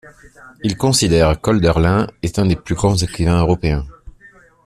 Il considère qu'Hölderlin est un des plus grands écrivains européens.